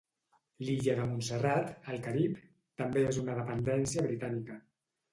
L'Illa de Montserrat, al Carib, també és una dependència britànica.